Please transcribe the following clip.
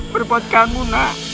berbuat kamu nak